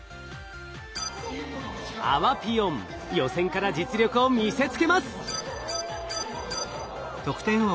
あわぴよん予選から実力を見せつけます。